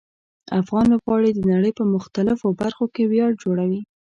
افغان لوبغاړي د نړۍ په مختلفو برخو کې ویاړ جوړوي.